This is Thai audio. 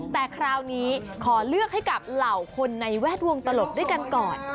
แต่คราวนี้ขอเลือกให้กับเหล่าคนในแวดวงตลกด้วยกันก่อน